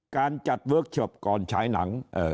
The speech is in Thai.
การจัดเวิร์คเชิปก่อนฉายหนัง